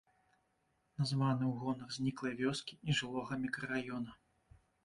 Названы ў гонар зніклай вёскі і жылога мікрараёна.